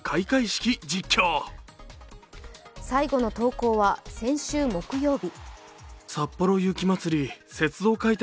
最後の投稿は先週木曜日。